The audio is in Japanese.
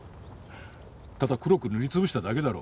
ただ黒く塗り潰しただけだろ？